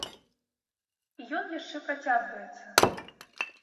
І ён яшчэ працягваецца.